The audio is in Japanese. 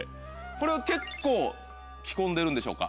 これは結構着込んでるんでしょうか？